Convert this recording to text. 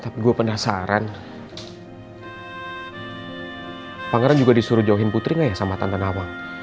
bahkan kamu masih midel